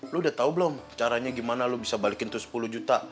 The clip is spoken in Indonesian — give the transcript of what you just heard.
lo udah tau belum caranya gimana lo bisa balikin tuh sepuluh juta